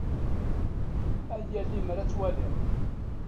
Ay a limer ad twaliḍ!